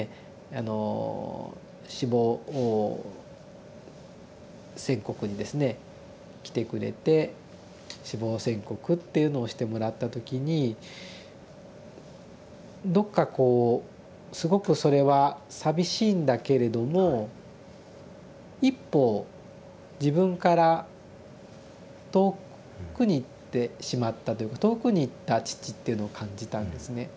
あの死亡宣告にですね来てくれて死亡宣告っていうのをしてもらった時にどっかこうすごくそれは寂しいんだけれども一方自分から遠くに行ってしまったというか遠くに行った父っていうのを感じたんですね。